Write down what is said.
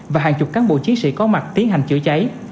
và hàng chục cán bộ chiến sĩ có mặt tiến hành chữa cháy